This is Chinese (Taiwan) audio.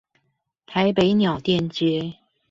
台北鳥店街